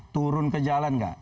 turun ke jalan enggak